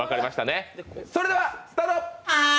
それではスタート。